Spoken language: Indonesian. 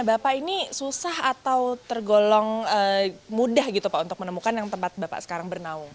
bapak ini susah atau tergolong mudah gitu pak untuk menemukan yang tempat bapak sekarang bernaung